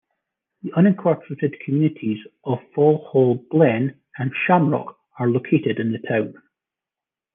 The unincorporated communities of Fall Hall Glen and Shamrock are located in the town.